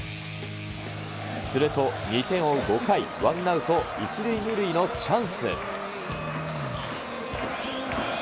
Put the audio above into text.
すると２点を追う５回、ワンアウト１塁２塁のチャンス。